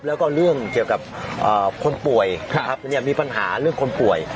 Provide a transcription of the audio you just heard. แล้วก็เรื่องเกี่ยวกับคนป่วยมีปัญหาเรื่องคนป่วย